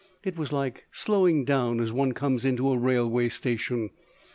It was like slowing down as one comes into a railway station.